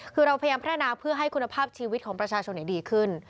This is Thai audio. คือเราพยายามพัฒนาเพื่อให้คุณภาพชีวิตของประชาชนดีขึ้น